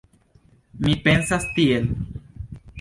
Mi pensas tiel.